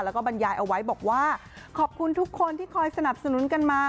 แล้วก็บรรยายเอาไว้บอกว่าขอบคุณทุกคนที่คอยสนับสนุนกันมา